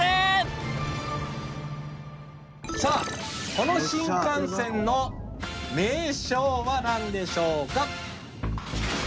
この新幹線の名称は何でしょうか？